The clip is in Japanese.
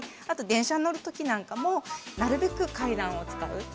あと電車に乗る時なんかもなるべく階段を使う。